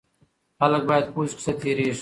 خلک باید پوه شي چې څه تیریږي.